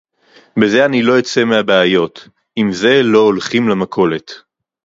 בזה אני לא אצא מהבעיות; עם זה לא הולכים למכולת